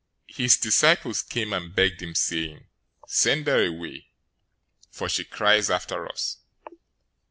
His disciples came and begged him, saying, "Send her away; for she cries after us."